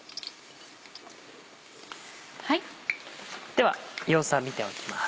では様子は見ておきます。